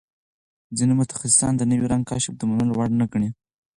ځینې متخصصان د نوي رنګ کشف د منلو وړ نه ګڼي.